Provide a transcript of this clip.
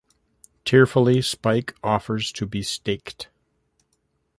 Tearfully Spike offers to be staked.